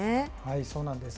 そうなんです。